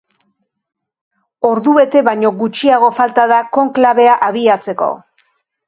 Ordubete baino gutxiago falta da konklabea abiatzeko.